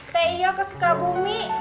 nek iyo kesuka bumi